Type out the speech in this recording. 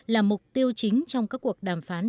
là mục tiêu chính trong các cuộc đàm phán